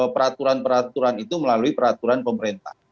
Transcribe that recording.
peraturan peraturan itu melalui peraturan pemerintah